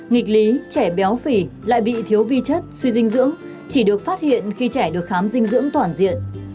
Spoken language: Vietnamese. nghịch lý trẻ béo phì lại bị thiếu vi chất suy dinh dưỡng chỉ được phát hiện khi trẻ được khám dinh dưỡng toàn diện